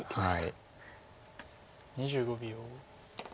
２５秒。